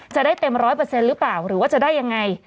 จะได้เต็ม๑๐๐หรือเปล่าหรือว่าจะได้ยังไง